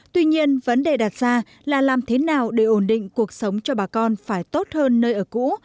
tuy nhiên vấn đề đặt ra là làm thế nào để ổn định cuộc sống cho bà con phải tốt hơn nơi ở cũ